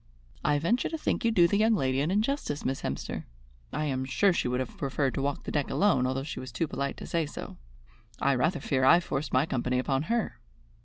"I venture to think you do the young lady an injustice, Miss Hemster. I am sure she would have preferred to walk the deck alone, although she was too polite to say so. I rather fear I forced my company upon her."